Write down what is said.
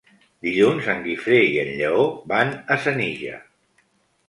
Dilluns en Guifré i en Lleó van a Senija.